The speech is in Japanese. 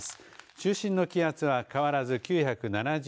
中心の気圧は変わらず９７０